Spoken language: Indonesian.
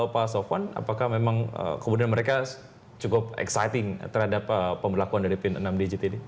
pak sofwan apakah memang kemudian mereka cukup exciting terhadap pemberlakuan dari pin enam digit ini